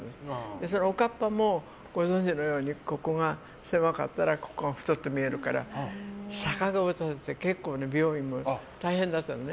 そのおかっぱもご存じのように頭が狭かったら輪郭が太って見えるから結構、美容院も大変だったのね。